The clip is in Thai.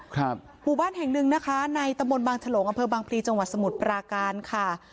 หมู่บ้านแห่งหนึ่งนะคะในตะบนบางฉลงอำเภอบางพลีจังหวัดสมุทรปราการค่ะ